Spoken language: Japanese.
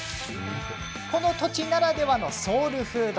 この土地ならではのソウルフード